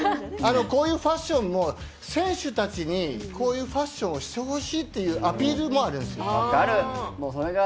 こういうファッションも、選手たちにこういうファッションをしてほしいという気持ちがあるのよ。